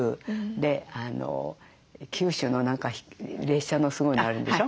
で九州の何か列車のすごいのあるんでしょ？